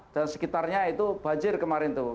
dan sekitarnya itu banjir kemarin itu